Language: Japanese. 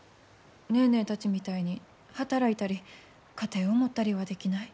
ネーネーたちみたいに働いたり家庭を持ったりはできない。